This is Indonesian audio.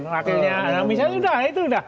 wakilnya anamisa itu udah